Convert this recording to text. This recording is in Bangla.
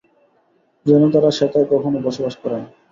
যেন তারা সেথায় কখনও বসবাস করেনি।